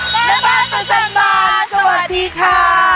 แม่บ้านประจำบานสวัสดีค่ะ